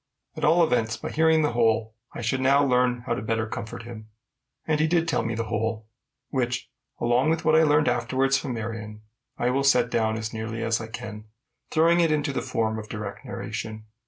At all events, by hearing the whole, I should learn how better to comfort him. And he did tell me the whole, which, along with what I learned afterwards from Marion, I will set down as nearly as I can, throwing it into the form of direct narration.